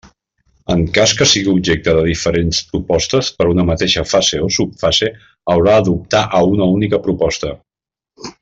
En cas que sigui objecte de diferents propostes per una mateixa fase o subfase haurà d'optar a una única proposta.